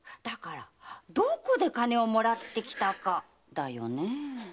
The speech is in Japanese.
だからどこで金をもらってきたかだよね。